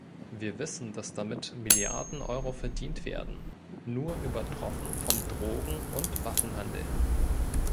Wir wissen, dass damit Milliarden Euro verdient werden, nur übertroffen vom Drogen- und Waffenhandel.